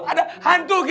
ada hantu kiai